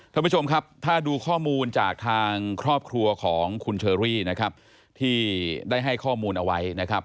ท่านผู้ชมครับถ้าดูข้อมูลจากทางครอบครัวของคุณเชอรี่นะครับที่ได้ให้ข้อมูลเอาไว้นะครับ